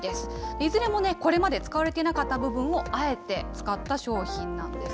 いずれもね、これまで使われていなかった部分をあえて使った商品なんです。